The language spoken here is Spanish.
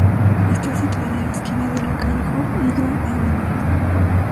Está situada en la esquina de la Calle Hope y Grand Avenue.